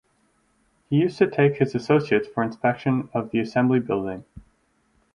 He used to take his associates for inspection of the assembly building.